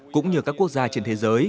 cũng như các quốc gia trên thế giới